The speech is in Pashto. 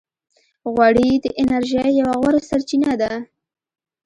غوړې د انرژۍ یوه غوره سرچینه ده.